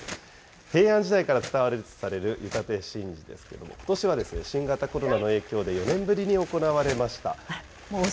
平安時代から伝わるとされる湯立神事ですけれども、ことしは新型コロナの影響で、４年ぶりに行われました。